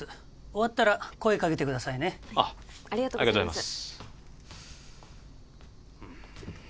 終わったら声かけてくださいねありがとうございます